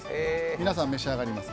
皆さん、召し上がります？